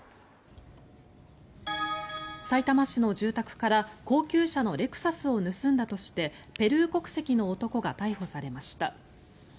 さいたま市の住宅から高級車のレクサスを盗んだとしてペルー国籍の男が逮捕されました。